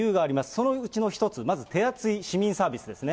そのうちの１つ、まず手厚い市民サービスですね。